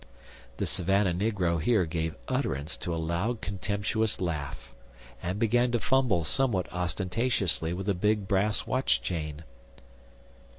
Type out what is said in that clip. The Savannah negro here gave utterance to a loud, contemptuous laugh, and began to fumble somewhat ostentatiously with a big brass watch chain.